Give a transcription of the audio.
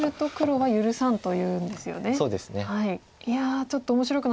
はい。